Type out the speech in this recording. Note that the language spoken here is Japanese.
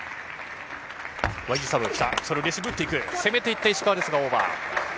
攻めていって石川ですが、オーバー。